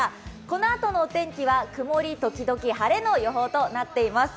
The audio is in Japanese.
このあとのお天気は曇り時々晴れの予報となっています。